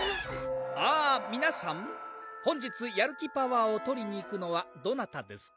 あ皆さん本日やる気パワーを取りに行くのはどなたですか？